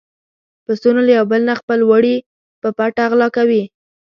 پسونو له يو بل نه خپل وړي په پټه غلا کولې.